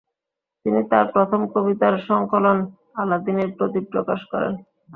তিনি তার প্রথম কবিতার সংকলন আলাদিনের প্রদীপ প্রকাশ করেন।